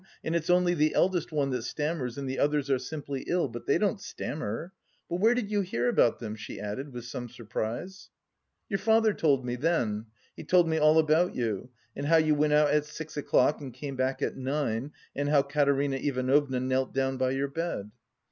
and it's only the eldest one that stammers and the others are simply ill... but they don't stammer.... But where did you hear about them?" she added with some surprise. "Your father told me, then. He told me all about you.... And how you went out at six o'clock and came back at nine and how Katerina Ivanovna knelt down by your bed."